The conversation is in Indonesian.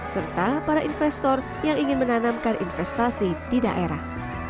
serta para investor yang ingin menanamkan investasi di daerah